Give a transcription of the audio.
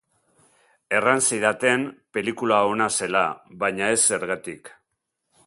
Erran zidaten pelikula ona zela, baina ez zergatik.